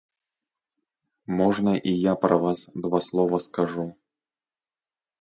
Можна і я пра вас два слова скажу?